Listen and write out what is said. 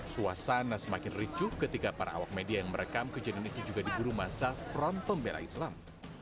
suasana semakin ricu ketika para awak media yang merekam kejeneniknya juga diburu massa front pembera islam